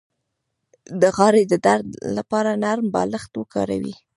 د غاړې د درد لپاره نرم بالښت وکاروئ